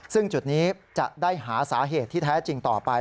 ซึ่งจุดนี้จะได้หาสาเหตุที่แท้จริงต่อไป